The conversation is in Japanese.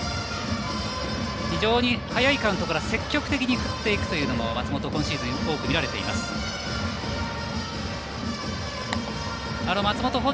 非常に早いカウントから積極的に振っていくというのは今シーズン多く見られている松本です。